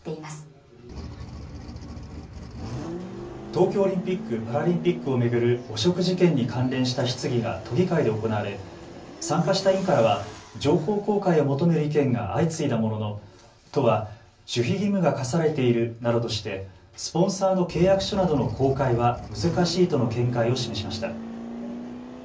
東京オリンピック・パラリンピックを巡る汚職事件に関連した質疑が都議会で行われ参加した委員からは情報公開を求める意見が相次いだものの都は守秘義務が課されているなどとしてスポンサーの契約書などの公開は難しいとの見解を示しました。